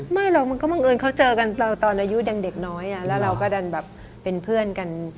ไม่หรอกมันก็บังเอิญเขาเจอกันเราตอนอายุยังเด็กน้อยแล้วเราก็ดันแบบเป็นเพื่อนกัน